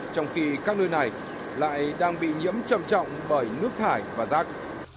trong khi các nơi này lại đang bị nhiễm trầm trọng bởi nước thải và rác